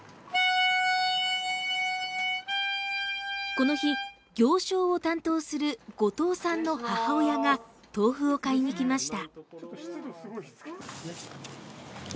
この日、行商を担当する後藤さんの母親が豆腐を買いに来ました。